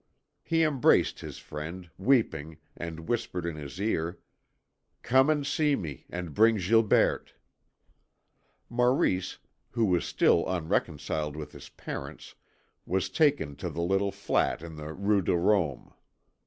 He embraced his friend, weeping, and whispered in his ear: "Come and see me, and bring Gilberte." Maurice, who was still unreconciled with his parents, was taken to the little flat in the Rue de Rome.